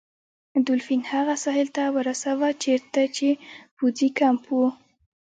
دولفین هغه ساحل ته ورساوه چیرته چې پوځي کمپ و.